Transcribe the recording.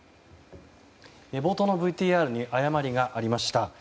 冒頭のＶＴＲに誤りがありました。